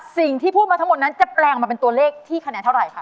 สิ่งที่พูดมาทั้งหมดนั้นจะแปลงมาเป็นตัวเลขที่คะแนนเท่าไหร่คะ